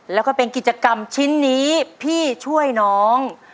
แล้วก็เป็นกิจกรรมชิ้นนี้พี่ช่วยน้อง